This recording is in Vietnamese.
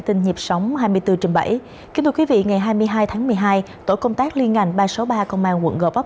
kính thưa quý vị ngày hai mươi hai tháng một mươi hai tổ công tác liên ngành ba trăm sáu mươi ba công an quận gò vấp